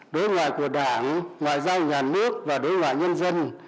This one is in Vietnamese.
đối ngoại của đảng ngoại giao nhà nước và đối ngoại nhân dân